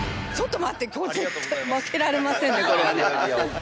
ちょっと待って。